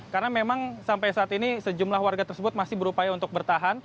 karena memang sampai saat ini sejumlah warga tersebut masih berupaya untuk bertahan